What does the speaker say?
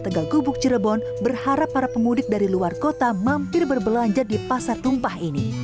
tegal gubuk cirebon berharap para pemudik dari luar kota mampir berbelanja di pasar tumpah ini